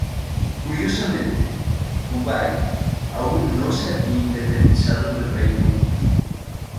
Curiosamente, Kuwait aún no se había independizado del Reino Unido.